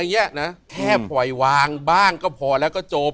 แค่ไหววางบ้างก็พอแล้วก็จบ